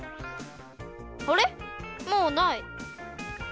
あれっもうない！